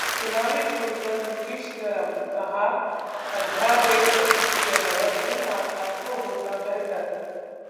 चुनावी फूड पर नीतीश नरम, कहा-अध्यादेश की जगह बिल आता तो होता बेहतर